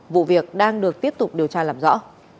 vụ việc đang được tiếp tục điều tra làm rõ